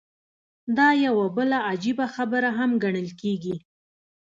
دا يوه بله عجيبه خبره هم ګڼل کېږي.